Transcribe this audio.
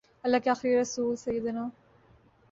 اللہ کے آخری رسول سیدنا